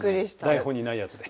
台本にないやつで。